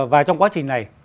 và trong quá trình này